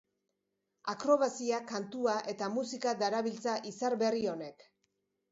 Akrobazia, kantua eta musika darabiltza izar berri honek.